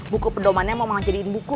buku pendomannya mau mengajariin buku